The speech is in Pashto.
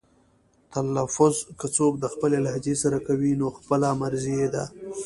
تلفظ که څوک د خپلې لهجې سره کوي نو خپله مرزي یې ده.